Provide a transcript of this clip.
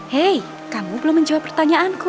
hei kamu belum menjawab pertanyaanku